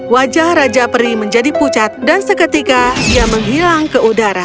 wajah raja peri menjadi pucat dan seketika ia menghilang ke udara